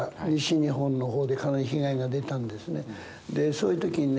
そういう時にね